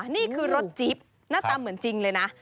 นี่คือรถจิ๊บหน้าตาเหมือนจริงเลยนะ